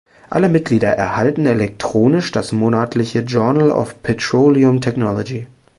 Alle Mitglieder erhalten elektronisch das monatliche „Journal of Petroleum Technology“.